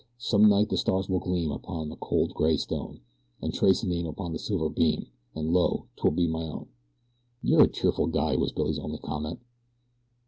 Some night the stars will gleam Upon a cold gray stone, And trace a name with silver beam, And lo! 'twill be your own." "You're a cheerful guy," was Billy's only comment.